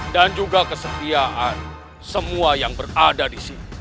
dan juga kesetiaan semua yang berada disini